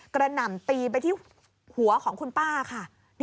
หน่ำตีไปที่หัวของคุณป้าค่ะ